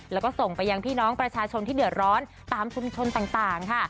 แล้วก็ส่งไปยังพี่น้องประชาชนที่เดือดร้อนตามชุมชนต่างค่ะ